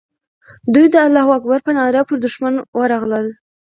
دوی د الله اکبر په ناره پر دښمن ورغلل.